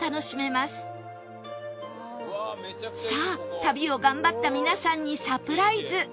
さあ旅を頑張った皆さんにサプライズ！